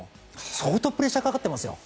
相当プレッシャーかかってますよ